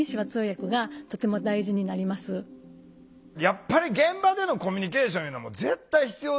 やっぱり現場でのコミュニケーションいうのも絶対必要。